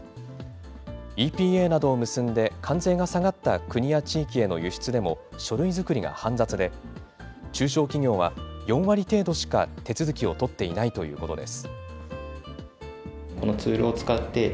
ＥＰＡなどを結んで、関税が下がった国や地域への輸出でも、書類作りが煩雑で、中小企業は４割程度しか手続きを取っていないということです。